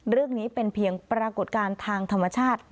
เรื่องนี้เป็นเพียงปรากฏการณ์ทางธรรมชาติ